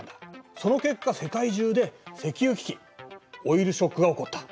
その結果世界中で石油危機オイルショックが起こった。